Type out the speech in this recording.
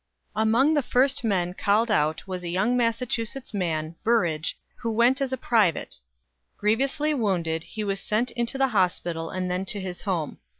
Among the first men called out was a young Massachusetts man, Burrage, who went as a private. Grievously wounded, he was sent into the hospital and then to his home.